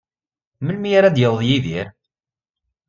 Melmi ara d-yaweḍ Yidir?